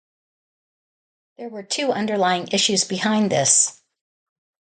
There were two underlying issues behind this.